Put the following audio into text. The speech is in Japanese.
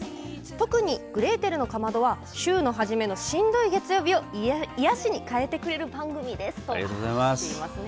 特に「グレーテルのかまど」は週の初めのしんどい月曜日を癒やしに変えてくれる番組ですね。